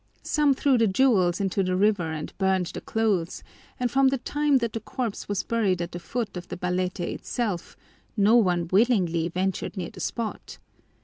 Some threw the jewels into the river and burned the clothes, and from the time that the corpse was buried at the foot of the balete itself, no one willingly ventured near the spot.